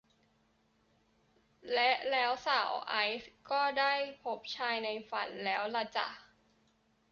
และแล้วสาวไอซ์ก็ได้พบชายในฝันแล้วล่ะจ้ะ